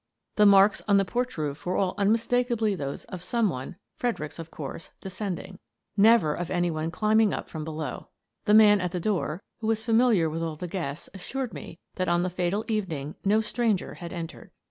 The marks on the porch roof were all unmistakably those of some one — Fredericks, of course — descending; never of any one climbing up from below. The man at the door, who was familiar with all the guests, assured me that on the fatal evening, no stranger had entered.